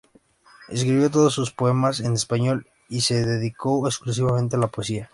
Escribió todos sus poemas en español, y se dedicó exclusivamente a la poesía.